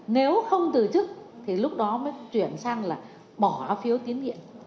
nếu không từ chức thì lúc đó mới chuyển sang là bỏ phiếu tín nhiệm